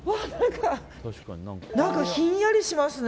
何か、ひんやりしますね